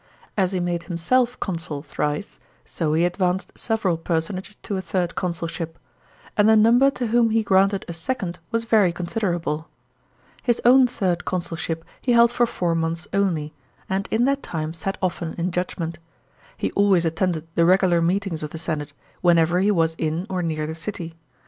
As he made himself consul thrice, so he advanced several personages to a third consulship ; and the number to whom he granted a second was very considerable. His own third consul * But this may refer to the consilium. 117 138 A.n FINANCIAL POLICY. 513 ship he held for four months only, and in that time sat often in judgment. He always attended the regular meetings of the ' senate, whenever he was in or near the city.